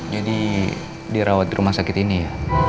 jadi dirawat di rumah sakit ini ya